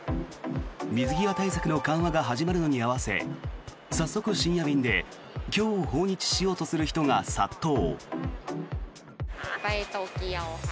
水際対策の緩和が始まるのに合わせ早速、深夜便で今日訪日しようとする人が殺到。